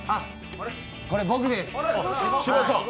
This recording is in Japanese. これ、僕です。